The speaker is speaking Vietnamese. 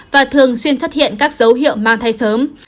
và thường xuyên xuất hiện các dấu hiệu mang thai sớm